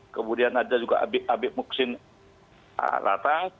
kemudian ada juga abib muxin latas